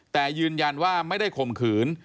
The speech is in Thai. แต่ยืนยันว่าไม่ได้ข่มขืน